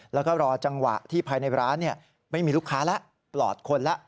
แล้วก็รอจังหวะที่ภายในร้านไม่มีลูกค้าแล้วปลอดคนแล้ว